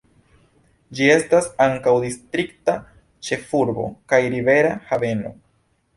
Ĝi estas ankaŭ distrikta ĉefurbo kaj rivera haveno.